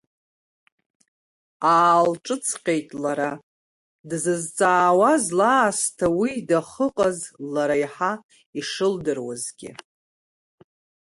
Аалҿыҵҟьеит лара, дзызҵаауаз лаасҭа уи дахыҟьаз лара иаҳа ишылдыруазгьы.